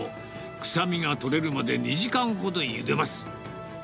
臭みが取れるまで２時間ほどゆでます。